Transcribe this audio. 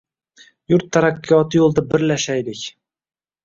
Yurt taraqqiyoti yo‘lida birlashaylik!ng